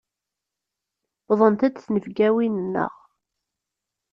Wwḍent-d tnebgawin-nneɣ.